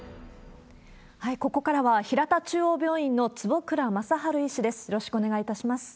ここからは、ひらた中央病院の坪倉正治医師です。